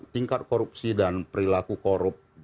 tingkat korupsi dan perilaku korup